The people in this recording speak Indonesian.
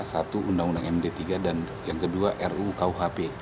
satu undang undang md tiga dan yang kedua rukuhp